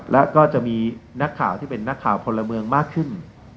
และก็จะมีนักข่าวที่เป็นนักข่าวพลเมืองมากขึ้น